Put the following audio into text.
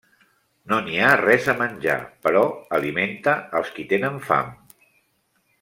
No n'hi ha res a menjar, però alimenta els qui tenen fam.